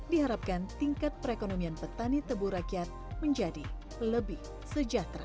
diharapkan tingkat perekonomian petani tebu rakyat menjadi lebih sejahtera